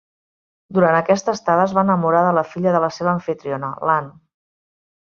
Durant aquesta estada, es va enamorar de la filla de la seva amfitriona, l"Anne.